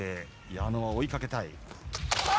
矢野は追いかけたい。